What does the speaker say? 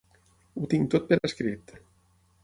Ho tinc tot per escrit.